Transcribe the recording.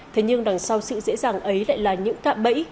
thế nhưng đằng sau sự dễ dàng ấy lại là những cạm bẫy